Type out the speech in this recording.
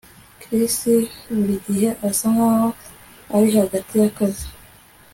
Chris buri gihe asa nkaho ari hagati yakazi